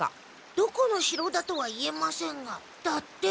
「どこの城だとは言えませんが」だって！